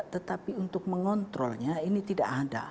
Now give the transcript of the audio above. tetapi untuk mengontrolnya ini tidak ada